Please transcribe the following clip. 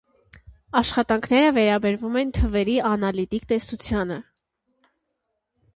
Աշխատանքները վերաբերում են թվերի անալիտիկ տեսությանը։